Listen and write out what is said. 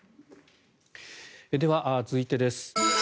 では、続いてです。